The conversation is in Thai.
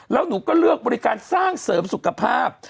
แล้วหนูก็เลือกบริการสร้างเสริมสุขภาพ